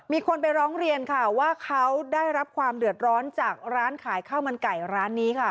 มีคนไปร้องเรียนค่ะว่าเขาได้รับความเดือดร้อนจากร้านขายข้าวมันไก่ร้านนี้ค่ะ